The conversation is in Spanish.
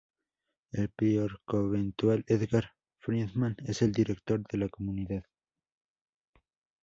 El prior Conventual Edgar Friedmann es el director de la comunidad.